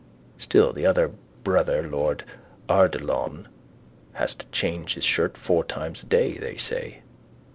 Still the other brother lord Ardilaun has to change his shirt four times a day, they say.